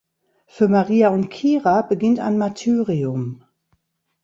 Für Maria und Kira beginnt ein Martyrium.